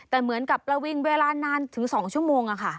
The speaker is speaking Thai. แต่เหมือนกับประวิงเวลานานถึง๒ชั่วโมง